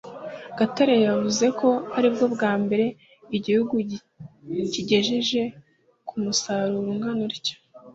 Gatare yavuze ko ari bwo bwa mbere igihugu kigejeje ku musaruro ungana utyo